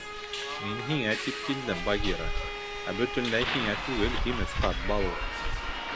— Мин һиңә тип килдем, Багира, ә бөтөнләй һиңә түгел, һимеҙ ҡарт Балу.